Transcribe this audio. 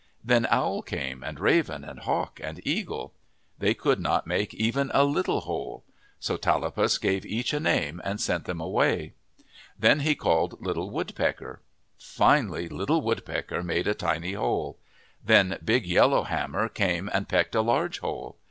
Then Owl came, and Raven, and Hawk, and Eagle. They could not make even a little hole. So Tallapus gave each a name and sent them away. Then he called Little Woodpecker. Finally Little Wood pecker made a tiny hole. Then big Yellow Ham mer came and pecked a large hole.